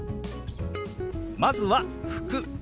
まずは「服」。